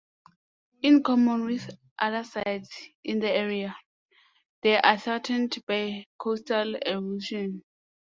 In common with other sites in the area, they are threatened by coastal erosion.